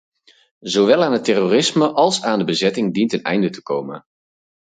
Zowel aan het terrorisme als aan de bezetting dient een einde te komen.